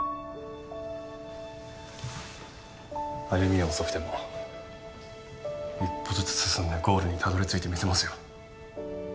歩みは遅くても一歩ずつ進んでゴールにたどり着いてみせますよ。